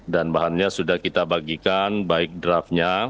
dan bahannya sudah kita bagikan baik draftnya